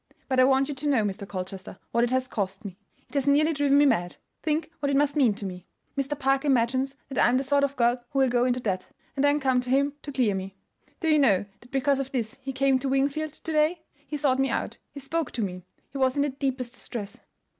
But I want you to know, Mr. Colchester, what it has cost me; it has nearly driven me mad. Think what it must mean to me. Mr. Parker imagines that I am the sort of girl who will go into debt, and then come to him to clear me. Do you know that because of this he came to Wingfield to day? He sought me out; he spoke to me; he was in the deepest distress."